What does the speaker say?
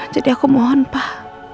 jadi aku mohon pak